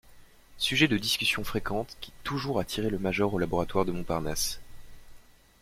Sujet de discussions fréquentes qui toujours attirait le major au laboratoire de Montparnasse.